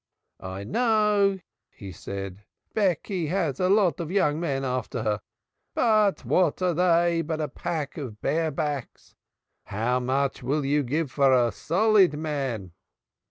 "I know," he said, "Becky has a lot of young men after her, but what are they but a pack of bare backs? How much will you give for a solid man?"